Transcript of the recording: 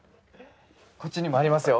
こっちにもありますよ。